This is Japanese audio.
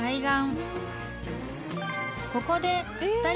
［ここで］